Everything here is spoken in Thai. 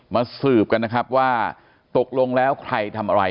สืบกันนะครับว่าตกลงแล้วใครทำอะไร